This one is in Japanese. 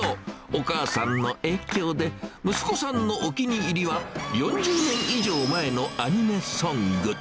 お母さんの影響で、息子さんのお気に入りは、４０年以上前のアニメソング。